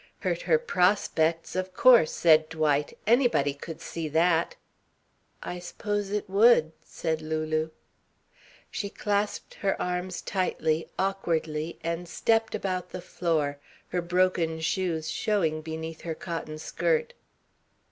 "Hurt her prospects, of course," said Dwight. "Anybody could see that." "I s'pose it would," said Lulu. She clasped her arms tightly, awkwardly, and stepped about the floor, her broken shoes showing beneath her cotton skirt.